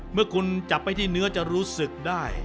เมื่อคุณจับไปที่เนื้อจะรู้สึกได้